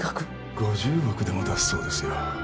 ５０億でも出すそうですよ